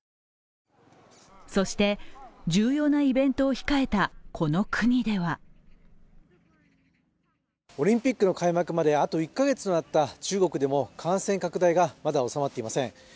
そして、重要なイベントを控えたこの国ではオリンピックの開幕まであと１カ月となった中国でも、感染拡大がまだ収まっていません。